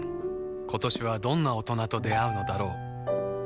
今年はどんな大人と出会うのだろう